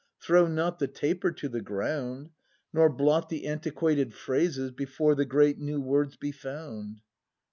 Throw not the taper to the ground ! Nor blot the antiquated phrases Before the great new words be found!